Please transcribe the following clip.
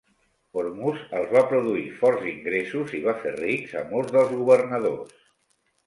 Ormuz els va produir forts ingressos i va fer rics a molts dels governadors.